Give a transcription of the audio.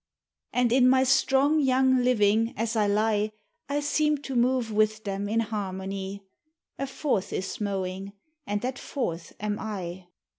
And in my strong young living as I lie, I seem to move with them in harmony — A fourth is mowing, and that fourth am I.